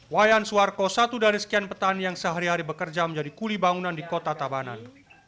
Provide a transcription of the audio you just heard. wayan suarko satu dari sekian petani yang sehari hari bekerja menjadi kuli bangunan di kota tabanan